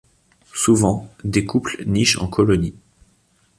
Souvent, des couples nichent en colonies.